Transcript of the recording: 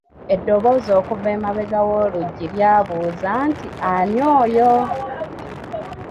Eddoboozi okuva emabega w'oluggi lyabuuza nti ani oyo?